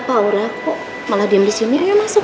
apa aura kok malah diem disini dia masuk